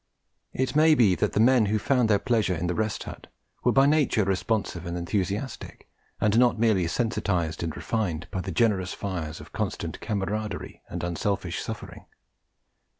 It may be that the men who found their pleasure in the Rest Hut were by nature responsive and enthusiastic, and not merely sensitised and refined by the generous fires of constant camaraderie and unselfish suffering.